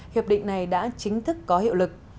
hiệp định này đã chính thức có hiệu lực